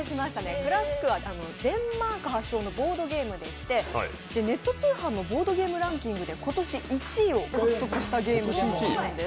「ＫＬＡＳＫ」はデンマーク発祥のボードゲームでしてネット通販のボードゲ−ムランキングで今年１位を獲得したゲームなんです。